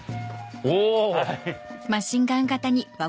お！